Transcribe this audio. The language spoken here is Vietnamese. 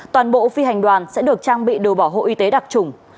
toàn bộ phi hành đoàn sẽ được trang bị đồ bảo hộ y tế đặc trùng